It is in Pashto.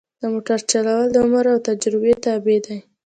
د موټر چلول د عمر او تجربه تابع دي.